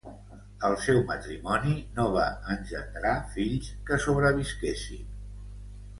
El seu matrimoni no va engendrar fills que sobrevisquessin.